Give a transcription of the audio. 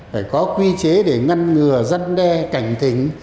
phải có quy chế để ngăn ngừa giăn đe cảnh tỉnh